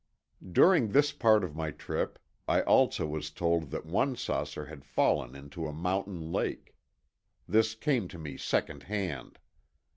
During this part of my trip, I also was told that one saucer had fallen into a mountain lake. This came to me secondhand.